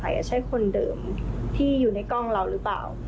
ใช่ใช่คนเดิมที่อยู่ในกล้องเราหรือเปล่า